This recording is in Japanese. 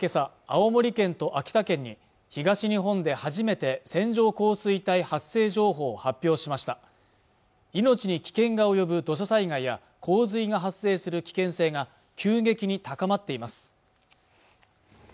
青森県と秋田県に東日本で初めて線状降水帯発生情報を発表しました命に危険が及ぶ土砂災害や洪水が発生する危険性が急激に高まっています